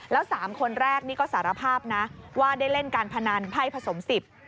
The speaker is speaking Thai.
แล้วสามคนแรกนี่ก็สารภาพนะว่าได้เล่นการพนันไพ่ผสมสิบ